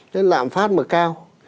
thế lạm phát mà cao